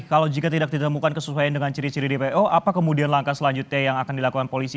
kalau jika tidak ditemukan kesesuaian dengan ciri ciri dpo apa kemudian langkah selanjutnya yang akan dilakukan polisi